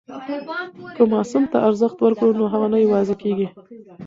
که ماسوم ته ارزښت ورکړو نو هغه نه یوازې کېږي.